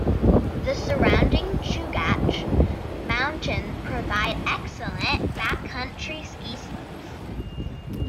The surrounding Chugach Mountains provide excellent back country ski slopes.